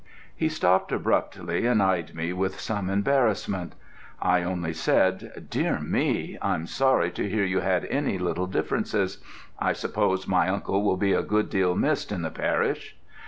He stopped abruptly and eyed me with some embarrassment. I only said, "Dear me, I'm sorry to hear you had any little differences; I suppose my uncle will be a good deal missed in the parish?"